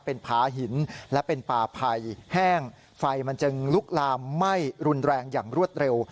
เป็นผาหินและเป็นป่าไผ่แห้งไฟมันจึงลุกลามไหม้รุนแรงอย่างรวดเร็ว